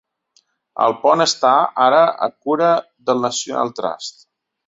El pont està ara a cura del National Trust.